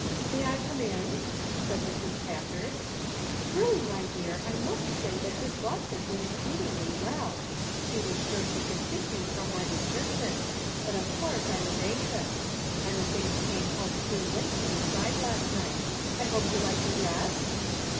"May I come in?" said Mrs. Packard. *' Really, my dear, I must say that Miss Wat son did exceedingly well; she was sure she could fit you from my description ; but of course I was anxious; and the things came home too late to be tried last night. I hope you like the dress